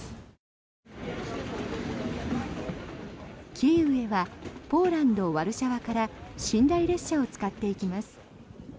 キーウへはポーランド・ワルシャワから寝台列車を使って行きます。